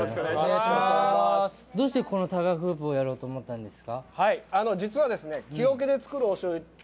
どうしてタガフープをやろうと思ったんですか。